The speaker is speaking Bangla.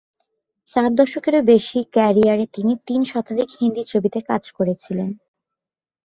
চার দশকেরও বেশি ক্যারিয়ারে তিনি তিন শতাধিক হিন্দি ছবিতে কাজ করেছিলেন।